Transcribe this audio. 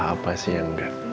apa sih yang gak